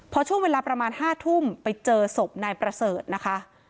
พอช่วงเวลาประมาณ๕ทุ่มไปเจอศพนายประเสริฐนะคะ